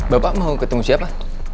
bapak mau ketemu siapa